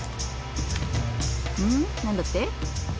うん？何だって？